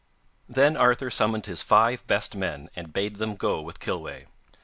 Then Arthur summoned his five best men and bade them go with Kilweh.